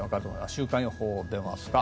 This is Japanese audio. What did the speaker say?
週間予報、出ますか。